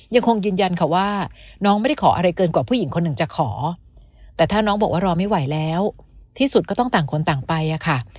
ยังคงยืนยันค่ะว่าน้องไม่ได้ขออะไรเกินกว่าผู้หญิงคนหนึ่งจะขอแต่ถ้าน้องบอกว่ารอไม่ไหวแล้วที่สุดก็ต้องต่างคนต่างไปอะค่ะ